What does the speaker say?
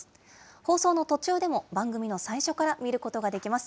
放送の途中でも番組の最初から見ることができます。